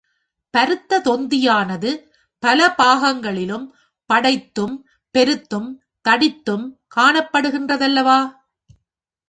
பருத்த தொந்தியானது பல பாகங்களிலும் படைத்தும், பெருத்தும், தடித்தும் காணப்படுகிறதல்லவா?